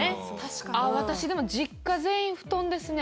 私でも実家全員布団ですね。